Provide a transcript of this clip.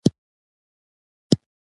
د اقتصادي او ټولینز ثبات اساسي اړخ دی.